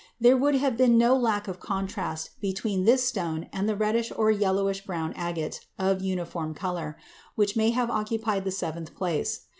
There would have been no lack of contrast between this stone and the reddish or yellowish brown agate, of uniform color, which may have occupied the seventh place.